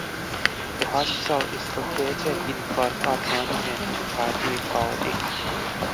The hospital is located in front of Monument to Party Founding.